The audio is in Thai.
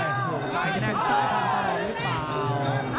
จะเป็นซ้ายทางตายหรือเปล่า